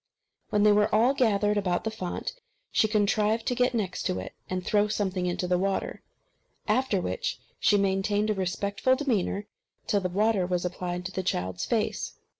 When they were all gathered about the font, she contrived to get next to it, and throw something into the water; after which she maintained a very respectful demeanour till the water was applied to the child's face.